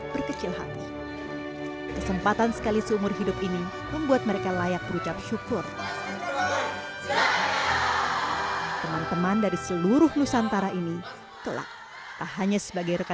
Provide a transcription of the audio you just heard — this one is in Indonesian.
sekitar waktu seleksi kota sekitar empat ratus lebih dan seleksi provinsi sekitaran tiga ratus lebih